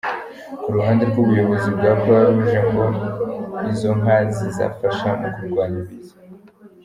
Ku ruhande rwubuyobozi bwa Croix Rouge ngo izo nka zizafasha mu kurwanya ibiza.